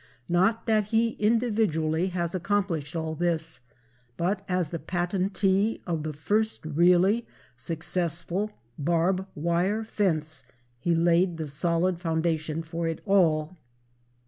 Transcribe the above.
Not that he individually has accomplished all this, but as the patentee of the first really successful barb wire fence, he laid the solid foundation for it all.